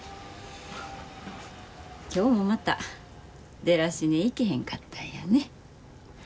今日もまたデラシネ行けへんかったんやね。